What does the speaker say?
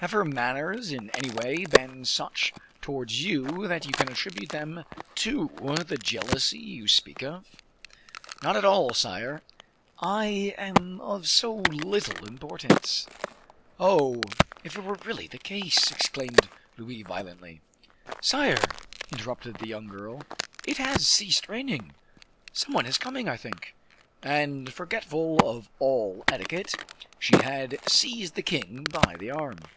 Have her manners in any way been such towards you that you can attribute them to the jealousy you speak of?" "Not at all, sire; I am of so little importance." "Oh! if it were really the case " exclaimed Louis, violently. "Sire," interrupted the young girl, "it has ceased raining; some one is coming, I think." And, forgetful of all etiquette, she had seized the king by the arm.